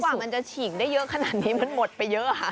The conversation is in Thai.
กว่ามันจะฉีกได้เยอะขนาดนี้มันหมดไปเยอะค่ะ